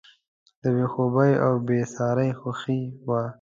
بې خوبي او بېساري خوښي وه.